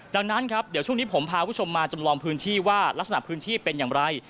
ดังนั้นครับเดี๋ยวช่วงนี้ผมพาคุณผู้ชมมาจำลองพื้นที่ว่าลักษณะพื้นที่เป็นอย่างไร